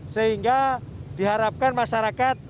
sehingga diharapkan masyarakat